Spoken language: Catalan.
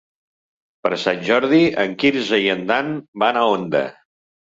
Per Sant Jordi en Quirze i en Dan van a Onda.